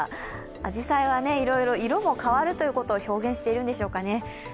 あじさいはいろいろ色も変わるということを表現しているんでしょうかね。